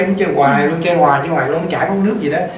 nó chơi hoài luôn chơi hoài luôn nó chả có nước gì đó